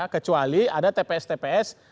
kecuali ada tps tps